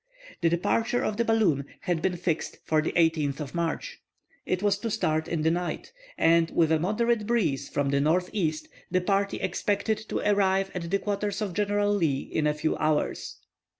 The departure of the balloon had been fixed for the 18th of March. It was to start in the night, and with a moderate breeze from the northeast, the party expected to arrive at the quarters of General Lee in a few hours.